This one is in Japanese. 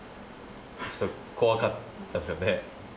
ちょっと怖かったですよね。